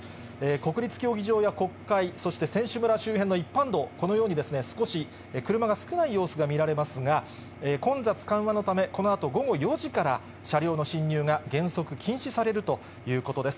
国立競技場や国会、そして選手村周辺の一般道、このように少し車が少ない様子が見られますが、混雑緩和のため、このあと午後４時から車両の進入が原則禁止されるということです。